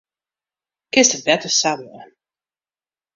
Kinst it better sa dwaan.